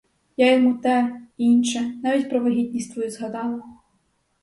Я йому те, інше, навіть про вагітність твою згадала.